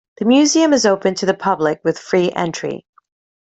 The museum is open to the public with free entry.